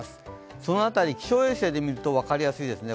その辺り、気象衛星で見ると分かりやすいですね。